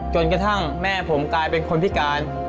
จนกระทั่งแม่ผมกลายเป็นคนพิการ